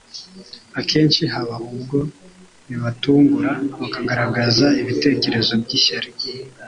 akenshi haba ubwo bibatungura bakagaragaza ibitekerezo by'ishyari